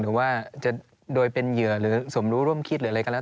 หรือว่าจะโดยเป็นเหยื่อหรือสมรู้ร่วมคิดหรืออะไรก็แล้ว